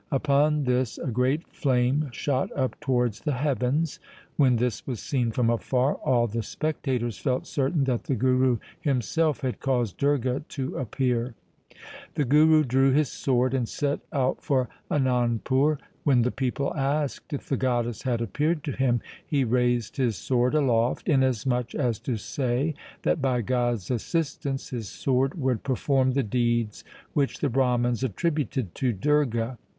Upon this a great flame shot up towards the heavens. When this was seen from afar, all the spectators felt certain that the Guru himself had caused Durga to appear. The Guru drew his sword and set out for Anandpur. When the people asked if the goddess had appeared to him, he raised his sword aloft, inasmuch as to say that by God's assistance his sword would per form the deeds which the Brahmans attributed to Durga.